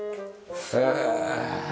へえ！